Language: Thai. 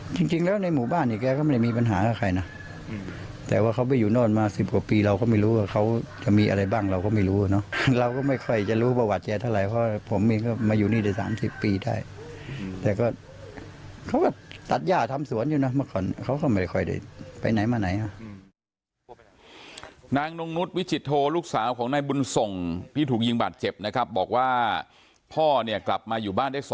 จริงแล้วในหมู่บ้านเนี่ยแกก็ไม่ได้มีปัญหากับใครนะแต่ว่าเขาไปอยู่โน่นมาสิบกว่าปีเราก็ไม่รู้ว่าเขาจะมีอะไรบ้างเราก็ไม่รู้เนอะเราก็ไม่ค่อยจะรู้ประวัติแกเท่าไหร่เพราะผมเองก็มาอยู่นี่ได้๓๐ปีได้แต่ก็เขาก็ตัดย่าทำสวนอยู่นะเมื่อก่อนเขาก็ไม่ค่อยได้ไปไหนมาไหนฮะบอกว่าพ่อเนี่ยกลับมาอยู่บ้านได้ส